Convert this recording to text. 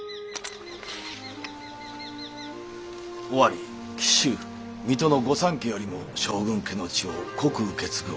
尾張紀州水戸の御三家よりも将軍家の血を濃く受け継ぐお方。